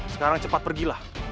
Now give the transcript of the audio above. sekarang cepat pergi